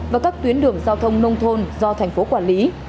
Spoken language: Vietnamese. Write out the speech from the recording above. và các tuyến đường giao thông nông thôn do tp quản lý